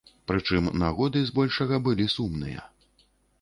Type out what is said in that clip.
Прычым нагоды, збольшага, былі сумныя.